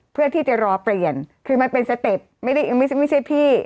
เพื่อที่จะรอเปลี่ยนคือมันเป็นสเต็ปยังไม่ใช่พี่